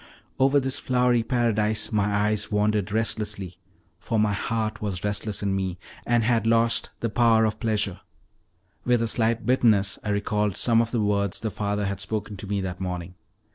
Over this flowery paradise my eyes wandered restlessly, for my heart was restless in me, and had lost the power of pleasure. With a slight bitterness I recalled some of the words the father had spoken to me that morning.